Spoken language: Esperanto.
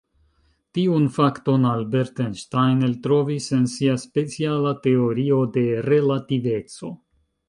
Tiun fakton Albert Einstein eltrovis en sia speciala teorio de relativeco.